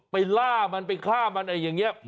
ล่ามันไปฆ่ามันอย่างนี้